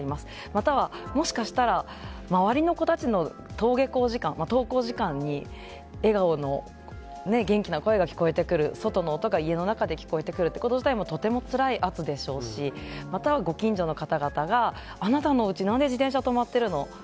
または、もしかしたら周りの子たちの登校時間に笑顔の元気な声が聞こえてくる外の音が家の中で聞こえてくるってこと自体もとてもつらい圧でしょうしまた、ご近所の方々があなたのおうち何で自転車止まってるの？